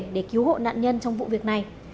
để cứu hộ nạn nhân trong vụ việc này